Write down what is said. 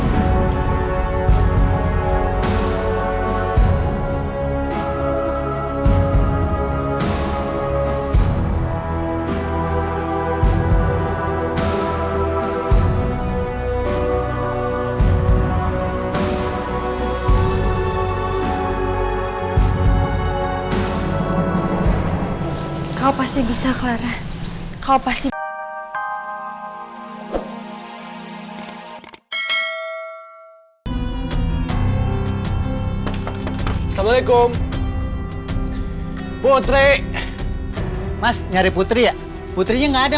kau pasti bisa clara kau pasti assalamualaikum putri mas nyari putri ya putrinya enggak ada